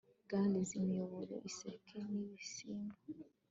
gulls, imiyoboro, isake, n'ibisimba